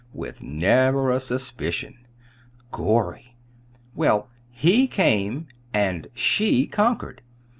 "With never a suspicion." "Gorry!" "Well, 'he' came, and 'she' conquered.